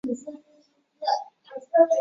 兰西县是黑龙江省绥化市下辖的一个县。